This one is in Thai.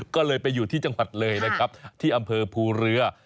ก็เลยไปอยู่ที่จังหวัดเลยนะครับที่อำเภอภูเรือ